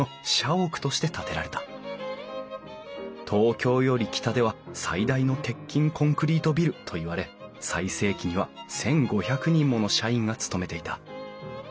東京より北では最大の鉄筋コンクリートビルといわれ最盛期には１，５００人もの社員が勤めていた。